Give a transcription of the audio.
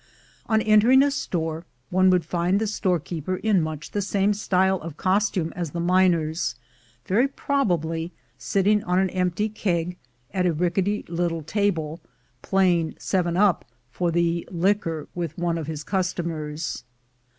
On entering a store, one would find the storekeeper in much the same style of costume as the miners, very probably sitting on an empty keg at a rickety little table, playing "seven up" for "the liquor" with one of his customers.